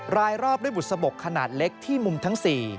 รายรอบด้วยบุษบกขนาดเล็กที่มุมทั้ง๔